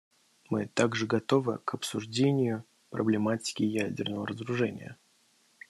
Мы также готовы к обсуждению проблематики ядерного разоружения.